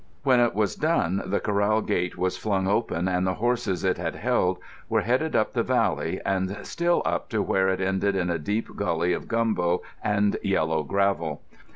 ] When it was done the corral gate was flung open and the horses it had held were headed up the valley and still up to where it ended in a deep gully of gumbo and yellow gravel.